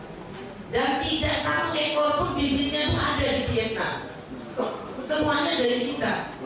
dan tidak satu ekor pun bibirnya ada di vietnam